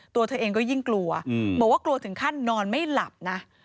ตัวเธอเองก็ยิ่งกลัวบอกว่ากลัวถึงขั้นนอนไม่หลับนะ